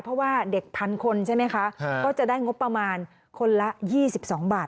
เพราะว่าเด็กพันคนใช่ไหมคะก็จะได้งบประมาณคนละ๒๒บาท